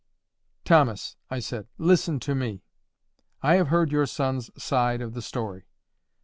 "Thomas," I said, "listen to me. I have heard your son's side of the story.